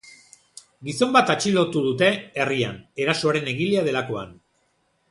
Gizon bat atxilotu dute herrian, erasoaren egilea delakoan.